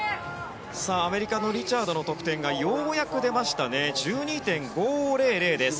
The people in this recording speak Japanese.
アメリカのリチャードの得点がようやく出ました。１２．５００です。